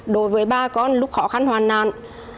đối với ba con lúc khó khăn hoàn nạn